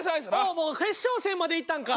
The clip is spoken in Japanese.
もう決勝戦までいったんか。